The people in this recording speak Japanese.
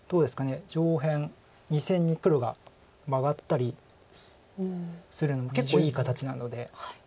上辺２線に黒がマガったりするのも結構いい形なので。